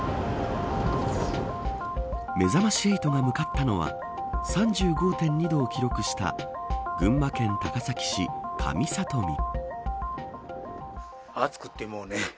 めざまし８が向かったのは３５．２度を記録した群馬県高崎市上里見。